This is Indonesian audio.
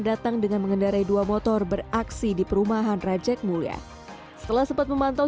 datang dengan mengendarai dua motor beraksi di perumahan rajak mulia setelah sempat memantau